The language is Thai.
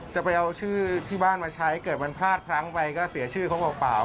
จะเอาชื่อที่บ้านมาใช้เกิดมันพลาดพลั้งไปก็เสียชื่อเขาเปล่า